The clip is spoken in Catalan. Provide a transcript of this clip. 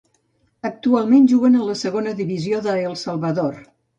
Actualment juguen a la segona divisió de El Salvador.